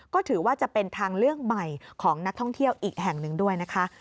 ก็ถือว่าจะเป็นทางเลือกใหม่ของนักท่องเที่ยวอีกแห่งหนึ่งด้วยนะคะ